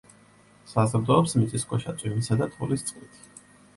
საზრდოობს მიწისქვეშა, წვიმისა და თოვლის წყლით.